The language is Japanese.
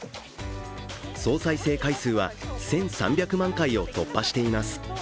総再生回数は１３００万回を突破しています。